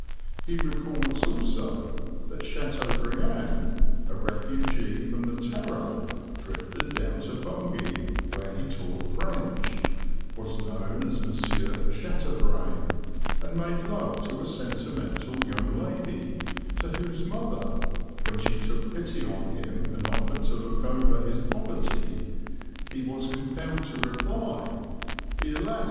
He records also that Chateaubriand, a refugee from the Terror, drifted down to Bungay, where he taught French, was known as M. Shatterbrain, and made love to a sentimental young lady, to whose mother, when she took pity on him and offered to look over his poverty, he was compelled to reply, "Hélas!